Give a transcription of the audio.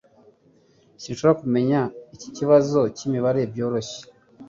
Sinshobora kumenya iki kibazo cyimibare byoroshye.